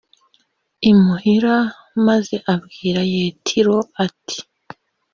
imuhira maze abwira yetiro ati